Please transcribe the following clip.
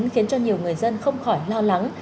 khiến cho nhiều người dân không khỏi lo lắng